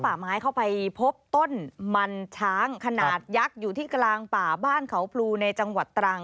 ป่าไม้เข้าไปพบต้นมันช้างขนาดยักษ์อยู่ที่กลางป่าบ้านเขาพลูในจังหวัดตรัง